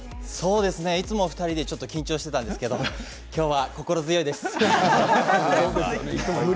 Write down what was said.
いつも２人で緊張していたんですけれども今日は心強いです。